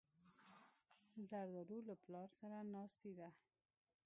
زردالو له پلار سره ناستې ده.